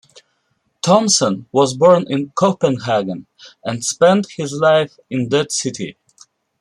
Thomsen was born in Copenhagen, and spent his life in that city.